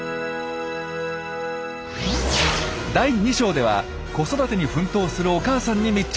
第２章では子育てに奮闘するお母さんに密着。